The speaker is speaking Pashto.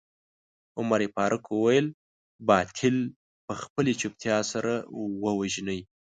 عمر فاروق وويل باطل په خپلې چوپتيا سره ووژنئ.